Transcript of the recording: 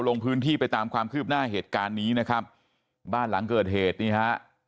ลงพื้นที่ไปตามความคืบหน้าเหตุการณ์นี้นะครับบ้านหลังเกิดเหตุนี่ฮะ